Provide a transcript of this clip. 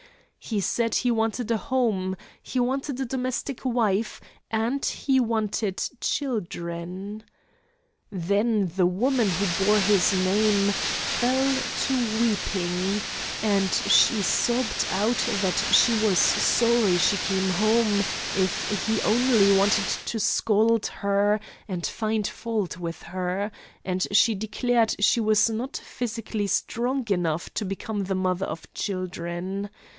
He said he wanted a home; he wanted a domestic wife, and he wanted children. Then the woman who bore his name fell to weeping, and she sobbed out that she was sorry she came home, if he only wanted to scold her and find fault with her; and she declared she was not physically strong enough to become the mother of children.